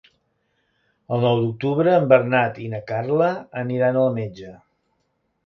El nou d'octubre en Bernat i na Carla aniran al metge.